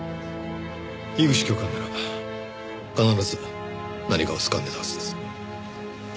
樋口教官なら必ず何かをつかんでたはずです。